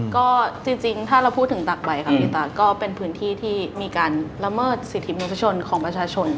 ก็จริงถ้าเราพูดถึงตักใบค่ะพี่ตาก็เป็นพื้นที่ที่มีการละเมิดสิทธิมนุษยชนของประชาชน